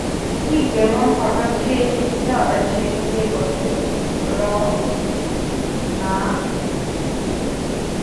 ঠিক যেমন হঠাৎ সে এসেছিল, আবার সে নিজের পথে রওয়ানা দিল।